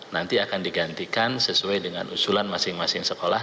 nanti akan digantikan sesuai dengan usulan masing masing sekolah